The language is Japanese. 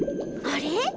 あれ？